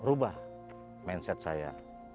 ubah mindset saya